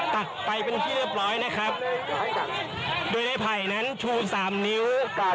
ตัดไปเป็นที่เรียบร้อยนะครับโดยในไผ่นั้นชูสามนิ้วอ่า